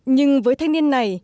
nhưng với thanh niên này